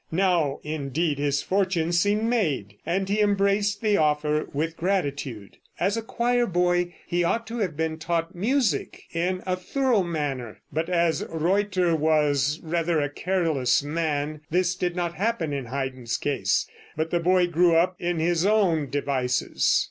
Now indeed his fortune seemed made, and he embraced the offer with gratitude. As a choir boy he ought to have been taught music in a thorough manner, but as Reutter was rather a careless man this did not happen in Haydn's case, but the boy grew up in his own devices.